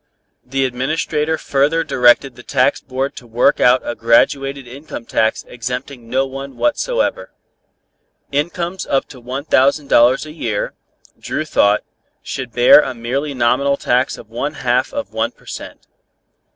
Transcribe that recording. The Administrator further directed the tax board to work out a graduated income tax exempting no income whatsoever. Incomes up to one thousand dollars a year, Dru thought, should bear a merely nominal tax of one half of one per cent.